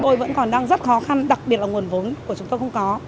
tôi vẫn còn đang rất khó khăn đặc biệt là nguồn vốn của chúng tôi không có